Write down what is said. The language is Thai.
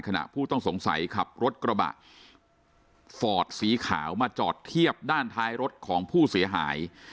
ผู้ต้องสงสัยขับรถกระบะฟอร์ดสีขาวมาจอดเทียบด้านท้ายรถของผู้เสียหาย